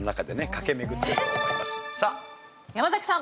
山崎さん。